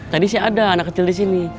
tadi sih ada anak kecil di sini